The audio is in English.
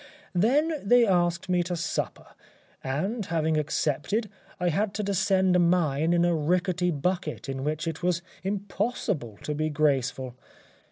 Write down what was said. Then they asked me to supper, and having accepted, I had to descend a mine in a rickety bucket in which it was impossible to be graceful.